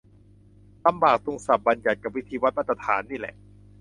ลำบากตรงศัพท์บัญญัติกับวิธีวัดมาตรฐานนี่แหละ